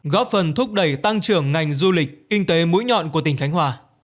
góp phần thúc đẩy tăng trưởng ngành du lịch kinh tế mũi nhọn của tỉnh khánh hòa